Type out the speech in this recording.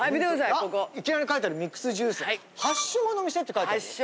あいきなり書いてあるミックスジュース発祥の店って書いてあるよ。